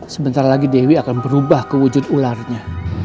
sebentar lagi dewi akan berubah ke wujud ularnya